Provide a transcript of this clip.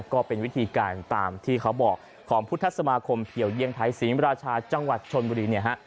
ก็เป็นวิธีการตามที่เขาบอกของพุทธสมาคมเกี่ยวเยี่ยงไทยศรีมราชาจังหวัดชนบุรีเนี่ยฮะ